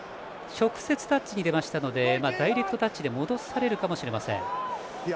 直接タッチに出ましたのでダイレクトタッチで戻されるかもしれません。